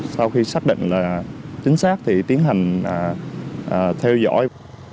sau khi xác định là chính xác thì tiến hành theo dõi